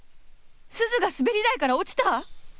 鈴が滑り台から落ちた？